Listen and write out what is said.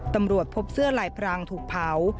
ตำรวจพบเสื้อลายพรางถูกเผา